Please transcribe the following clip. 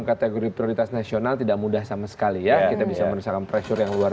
kategori prioritas nasional tidak mudah sama sekali ya kita bisa merasakan pressure yang luar